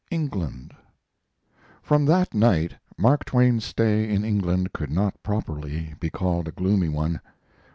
ENGLAND From that night Mark Twain's stay in England could not properly be called a gloomy one.